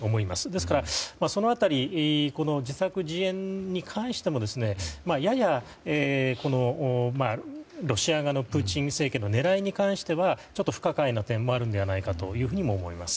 ですから、その辺り自作自演に関してもややロシア側のプーチン政権の狙いに関してはちょっと不可解な点もあるのではないかとも思います。